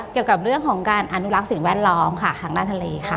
เกี่ยวกับเรื่องของการอนุรักษ์สิ่งแวดล้อมค่ะทางด้านทะเลค่ะ